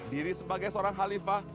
diri sebagai seorang halifah